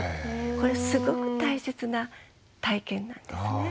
これはすごく大切な体験なんですね。